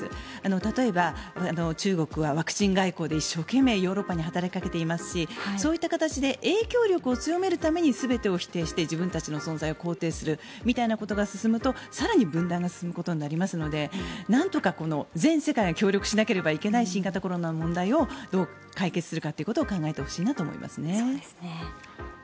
例えば、中国はワクチン外交で一生懸命、ヨーロッパに働きかけていますしそういった形で影響力を強めるために全てを否定して自分たちの存在を肯定するみたいなことが進むと更に分断が進むことになりますのでなんとか全世界が協力しなければいけない新型コロナの問題をどう解決するかということを考えてほしいなと思います。